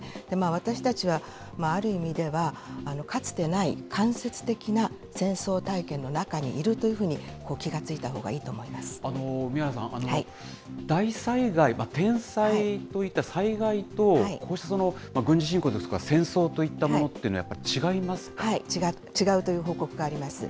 私たちはある意味では、かつてない間接的な戦争体験の中にいるというふうに、気が付いたほうがい海原さん、大災害、天災といった災害と、こうした軍事侵攻ですとか戦争といったものというのは、やっぱり違うという報告があります。